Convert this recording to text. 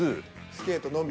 スケートのみ。